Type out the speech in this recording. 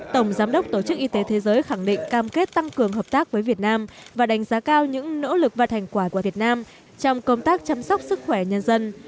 tổng giám đốc tổ chức y tế thế giới khẳng định cam kết tăng cường hợp tác với việt nam và đánh giá cao những nỗ lực và thành quả của việt nam trong công tác chăm sóc sức khỏe nhân dân